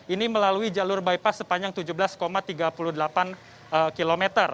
ini melalui jalur bypass sepanjang tujuh belas tiga puluh delapan km